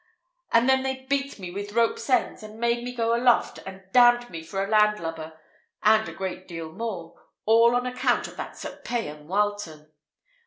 And then they beat me with ropes' ends, and made me go up aloft, and damned me for a land lubber, and a great deal more: all on account of that Sir Payan Wileton!"